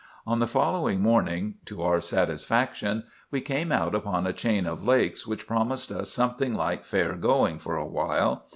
"On the following morning, to our satisfaction, we came out upon a chain of lakes which promised us something like fair going for a while.